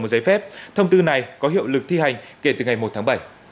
một giấy phép thông tư này có hiệu lực thi hành kể từ ngày một tháng bảy